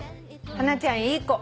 ハナちゃんいい子。